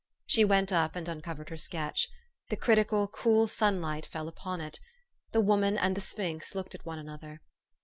She went up and uncovered her sketch. The criti cal, cool sunlight fell upon it. The woman and the sphinx looked at one another.